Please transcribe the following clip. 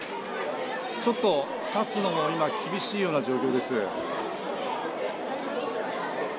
ちょっと立つのが厳しいような状況です。